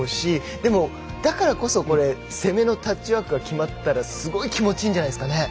でも、だからこそ攻めのタッチワークが決まったらすごい気持ちいいんじゃないですかね。